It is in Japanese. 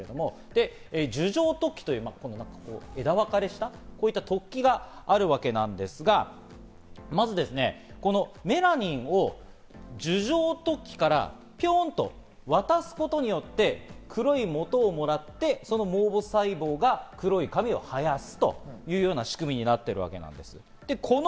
樹状突起という枝分かれしたこの時があるわけなんですが、まずメラニンを樹状突起からピョンと渡すことによって黒いもとをもらってその毛母細胞が黒い髪を生やすという仕組みになっているわけです。